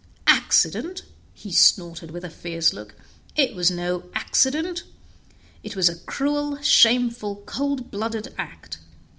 "Accident!" he snorted with a fierce look, "it was no accident! it was a cruel, shameful, cold blooded act!